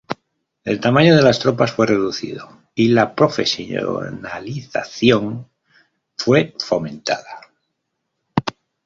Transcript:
El tamaño de las tropas fue reducido y la profesionalización fue fomentada.